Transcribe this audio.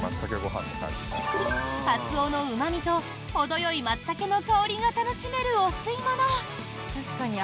カツオのうま味とほどよいマツタケの香りが楽しめる、お吸いもの。